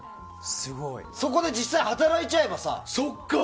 そこで実際、働いちゃえばさ。